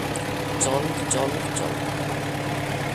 চল্ চল্ চল্।